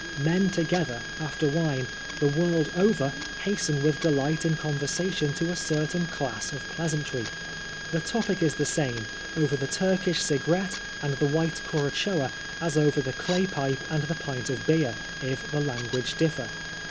Men together, after wine, the world over, hasten with delight in conversation to a certain class of pleasantry. The topic is the same over the Turkish cigarette and the white curagoa as over the clay pipe and the pint of beer, if the language differ.